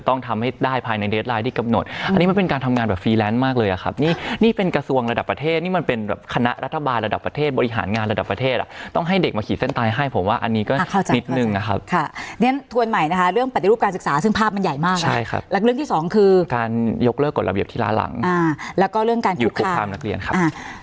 ที่สองคือการยกเลิกกฎระเบียบทีล้าหลังอ่าแล้วก็เรื่องการคุกคาหยุดกฎความนักเรียนครับอ่า